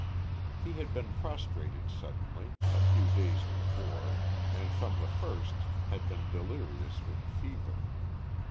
He had been prostrated suddenly, a few days before, and from the first had been delirious with fever.